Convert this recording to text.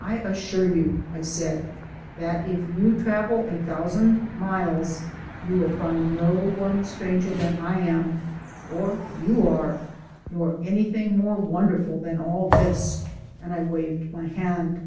"I assure you," I said, "that if you travel a thousand miles you will find no one stranger than I am or you are nor anything more wonderful than all this " and I waved my hand.